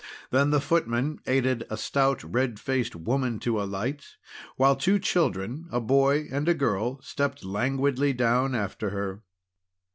Then the footman aided a stout, red faced woman to alight, while two children, a boy and a girl, stepped languidly down after her.